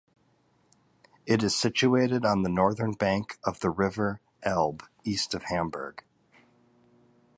It is situated on the northern bank of the river Elbe, east of Hamburg.